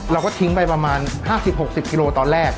เราก็ทิ้งไปประมาณ๕๐๖๐กิโลตอนแรก